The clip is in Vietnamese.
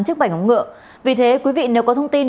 trước bảnh ống ngựa vì thế quý vị nếu có thông tin